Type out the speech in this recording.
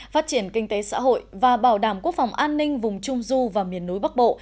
phát triển kinh tế xã hội và bảo đảm quốc phòng an ninh vùng trung du và miền núi bắc bộ